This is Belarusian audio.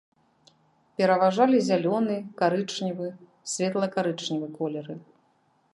Пераважалі зялёны, карычневы, светла-карычневы колеры.